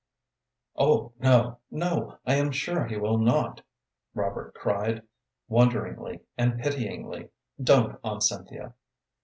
"Oh no, no; I am sure he will not," Robert cried, wonderingly and pityingly. "Don't, Aunt Cynthia."